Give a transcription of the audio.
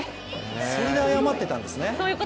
それで謝ってたんですね。